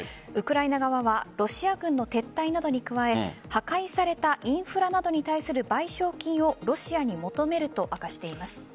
ウクライナ側はロシア軍の撤退などに加え破壊されたインフラなどに対する賠償金をロシアに求めると明かしています。